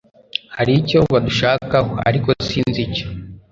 Hari icyo badushakaho, ariko sinzi icyo.